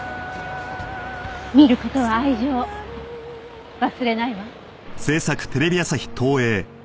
見る事は愛情忘れないわ。